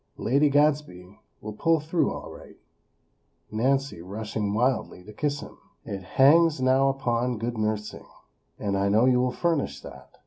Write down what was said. Lady Gadsby will pull through all right," (Nancy rushing wildly to kiss him!) "it hangs now upon good nursing; and I know you will furnish that.